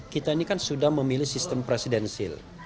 kita ini kan sudah memilih sistem presidensil